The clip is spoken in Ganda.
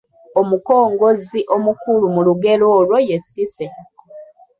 omukongozzi omukulu mu lugero olwo ye Cissy.